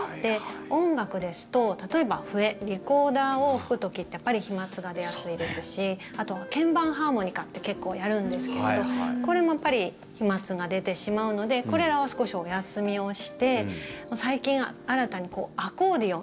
音楽ですと、例えば笛リコーダーを吹く時ってやっぱり飛まつが出やすいですしあとは鍵盤ハーモニカって結構やるんですけれどこれも飛まつが出てしまうのでこれらは少しお休みをして最近、新たにアコーディオン。